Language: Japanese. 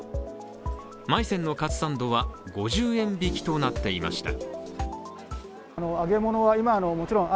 まい泉のカツサンドは５０円引きとなっていました。